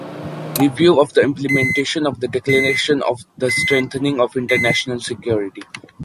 Review of the implementation of the Declaration on the Strengthening of International Security.